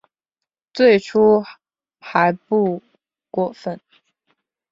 最初还不过分